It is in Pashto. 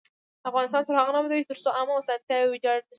افغانستان تر هغو نه ابادیږي، ترڅو عامه اسانتیاوې ویجاړې نشي.